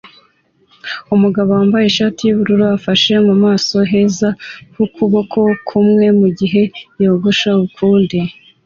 Umugabo wambaye ishati yubururu afashe mu maso heza ukuboko kumwe mugihe yogosha ukundi